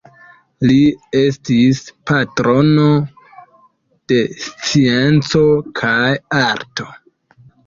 Li estis patrono de scienco kaj arto.